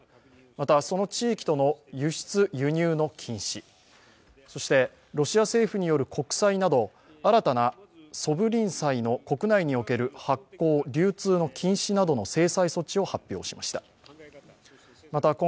また、その地域との輸出、輸入の禁止、そしてロシア政府による国債など新たなソブリン債の国内における発行・流通の禁止などの制裁措置を発表しました。